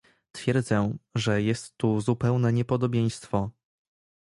"Twierdzę, że jest tu zupełne niepodobieństwo."